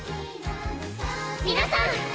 皆さん。